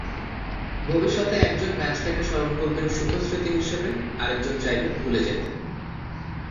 ভবিষ্যতে একজন ম্যাচটাকে স্মরণ করবেন সুখস্মৃতি হিসেবে, আরেকজন চাইবেন ভুলে যেতে।